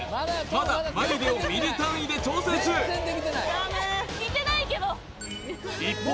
まだ眉毛をミリ単位で調整中一方